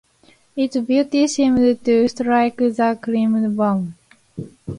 Its beauty seemed to strike the child dumb.